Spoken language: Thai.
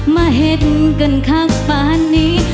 มาเห็นกันข้างป่านนี้